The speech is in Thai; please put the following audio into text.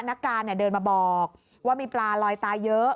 นักการเดินมาบอกว่ามีปลาลอยตายเยอะ